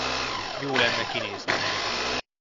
Jó lenne kinézni.